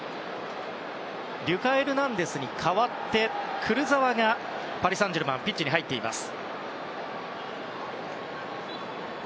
リュカ・エルナンデスに代わってクルザワがパリ・サンジェルマンピッチに入っています。